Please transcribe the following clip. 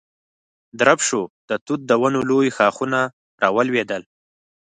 درب شو، د توت د ونو لوی ښاخونه را ولوېدل.